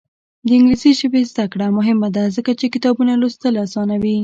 د انګلیسي ژبې زده کړه مهمه ده ځکه چې کتابونه لوستل اسانوي.